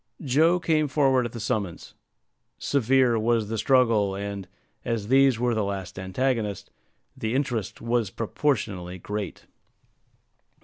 Joe came forward at the summons. Severe was the struggle; and, as these were the last antagonists, the interest was proportionally great.